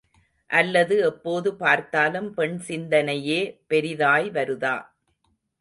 அல்லது எப்போ பார்த்தாலும் பெண் சிந்தனையே பெரிதாய் வருதா.